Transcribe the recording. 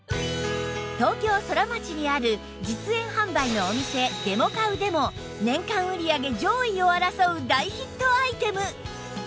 東京ソラマチにある実演販売のお店デモカウでも年間売り上げ上位を争う大ヒットアイテム